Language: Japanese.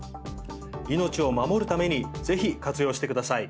命を守るためにぜひ活用してください。